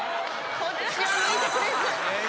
こっちは向いてくれず。